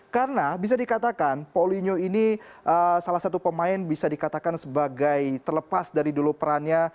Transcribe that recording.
karena bisa dikatakan polino ini salah satu pemain bisa dikatakan sebagai terlepas dari dulu perannya